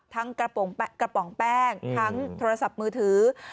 ทั้งกระป๋องแป้งทั้งโทรศัพท์มือถือ